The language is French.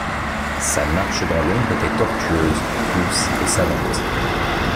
Sa marche dans l’ombre était tortueuse, douce et savante.